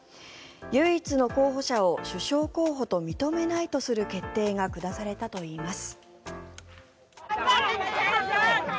唯一の候補者を首相候補と認めないとする決定が下されたといいます。